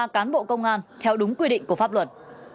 ba cán bộ công an theo đúng quy định của pháp luật